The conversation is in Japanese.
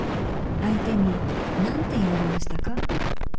相手に何て言われましたか？